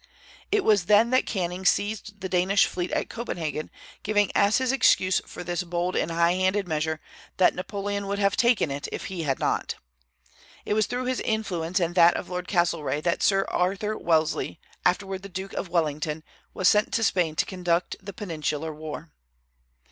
It was then that Canning seized the Danish fleet at Copenhagen, giving as his excuse for this bold and high handed measure that Napoleon would have taken it if he had not. It was through his influence and that of Lord Castlereagh that Sir Arthur Wellesley, afterward the Duke of Wellington, was sent to Spain to conduct the Peninsular War.